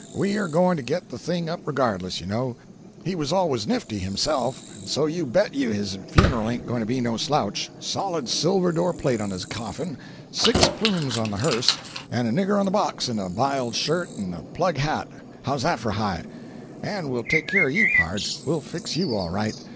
We are going to get the thing up regardless, you know. He was always nifty himself, and so you bet you his funeral ain't going to be no slouch—solid silver door plate on his coffin, six plumes on the hearse, and a nigger on the box in a biled shirt and a plug hat—how's that for high? And we'll take care of you, pard. We'll fix you all right.